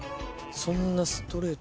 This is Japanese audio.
・そんなストレートに？